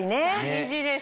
大事です。